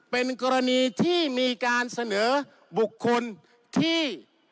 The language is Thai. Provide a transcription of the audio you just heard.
เป็นกรณีที่มีการเสนอบุคคลที่